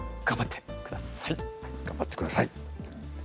頑張ってください。